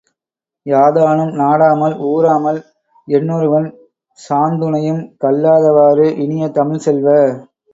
யாதானும் நாடாமால் ஊராமல் என்னொருவன் சாந்துணையும் கல்லாத வாறு இனிய தமிழ்ச் செல்வ!